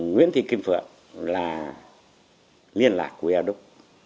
nguyễn thị kim phượng là liên lạc của eo đúc